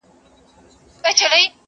کلي ورو ورو بدلېږي ډېر.